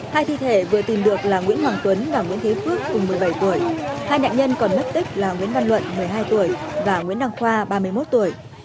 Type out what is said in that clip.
hai thi thể vừa tìm được là nguyễn hoàng tuấn và nguyễn thế phước cùng một mươi bảy tuổi hai nạn nhân còn mất tích là nguyễn văn luận một mươi hai tuổi và nguyễn đăng khoa ba mươi một tuổi